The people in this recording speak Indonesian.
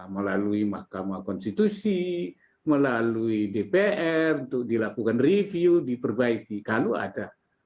melalui mahkamah konstitusi melalui dpr untuk dilakukan review diperbaiki kalau ada